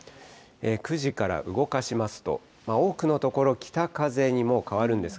９時から動かしますと、多くの所、北風にもう変わるんです。